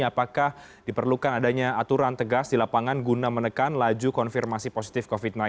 apakah diperlukan adanya aturan tegas di lapangan guna menekan laju konfirmasi positif covid sembilan belas